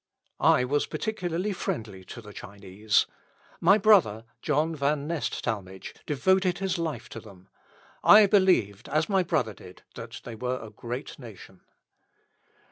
I was particularly friendly to the Chinese. My brother, John Van Nest Talmage, devoted his life to them. I believed, as my brother did, that they were a great nation.